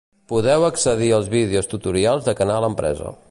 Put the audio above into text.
Podeu accedir als vídeos tutorials de Canal Empresa.